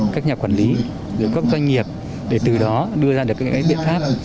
các nhà quản lý các doanh nghiệp để từ đó đưa ra được những biện pháp